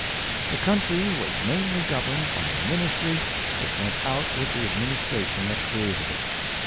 The country was mainly governed by a ministry which went out with the administration that created it.